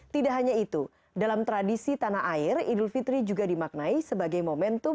tidak hanya itu dalam tradisi tanah air idul fitri juga dimaknai sebagai momentum